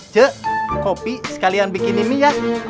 cik kopi sekalian bikin ini ya